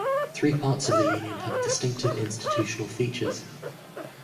Three parts of the union have distinctive institutional features.